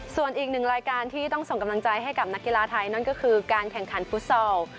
ส่วนอีกหนึ่งรายการที่ต้องส่งกำลังใจให้กับนักกีฬาไทยนั่นก็คือการแข่งขันฟุตซอล